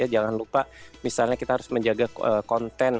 jangan lupa misalnya kita harus menjaga konten bakteri baik dalam tubuh kita